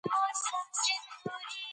که ایمیل ولرو نو لیک نه ورکيږي.